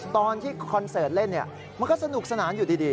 ตอนที่คอนเสิร์ตเล่นเนี่ยมันก็สนุกสนานอยู่ดี